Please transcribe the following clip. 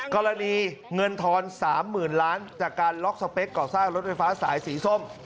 กรณีเงินทอน๓๐๐๐ล้านจากการล็อกสเปคก่อสร้างรถไฟฟ้าสายสีส้ม